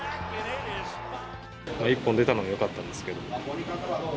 １本出たのはよかったですけど。